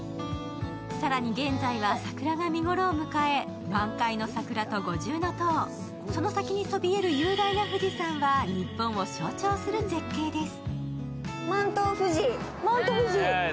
更に現在は桜が見ごろを迎え、満開の桜と五重搭、その先にそびえる雄大な富士山は日本を象徴する絶景です。